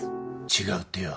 違うってよ。